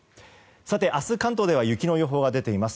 さて、明日関東では雪の予報が出ています。